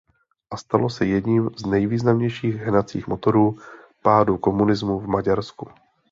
A stalo se jedním z nejvýznamnějších hnacích motorů pádu komunismu v Maďarsku.